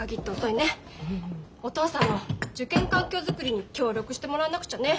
お父さんも受験環境作りに協力してもらわなくちゃね。